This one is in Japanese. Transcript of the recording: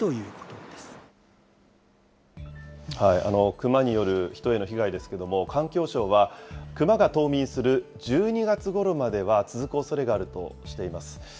クマにによる人への被害ですけれども、環境省はクマが冬眠する１２月ごろまでは続くおそれがあるとしています。